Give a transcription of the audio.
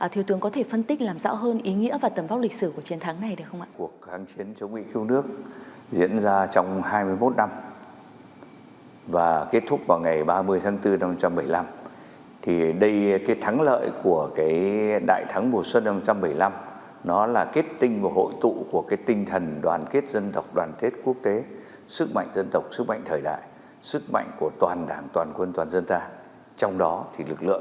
thiếu tướng có thể phân tích làm rõ hơn ý nghĩa và tầm vóc lịch sử của chiến thắng này được không ạ